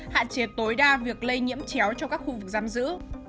hạn chế tối đa việc lây nhiễm chéo trong các khu vực giam giữ